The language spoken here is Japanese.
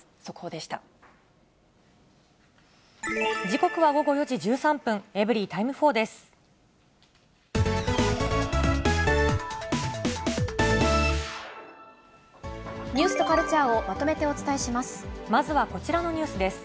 時刻は午後４時１３分、エブリィタイム４です。